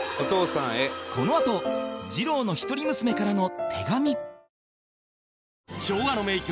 このあと二郎の一人娘からの手紙